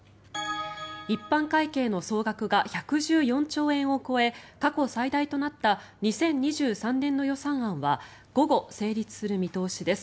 一般会計の総額が１１４兆円を超え過去最大となった２０２３年度予算案は午後、成立する見通しです。